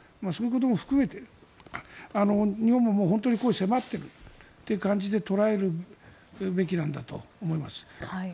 そういうことも含めて日本も本当に迫ってるという感じで捉えるべきなんだと思います。